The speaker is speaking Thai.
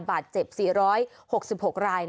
บาดเจ็บ๔๖๖ราย